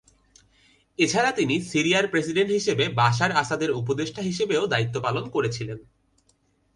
এছাড়া তিনি সিরিয়ার প্রেসিডেন্ট বাশার আসাদের উপদেষ্টা হিসেবেও দায়িত্ব পালন করেছিলেন।